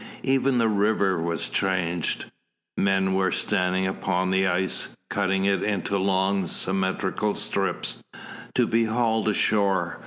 Even the river was changed. Men were standing upon the ice, cutting it into long symmetrical strips, to be hauled ashore.